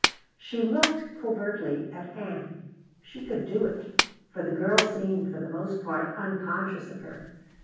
She looked covertly at Ann; she could do it, for the girl seemed for the most part unconscious of her.